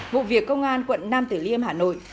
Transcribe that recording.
vụ việc công an quận nam tử liêm hà nội